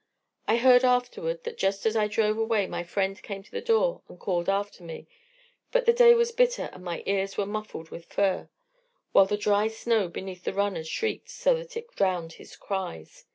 I heard afterward that just as I drove away my friend came to the door and called after me, but the day was bitter, and my ears were muffled with fur, while the dry snow beneath the runners shrieked so that it drowned his cries.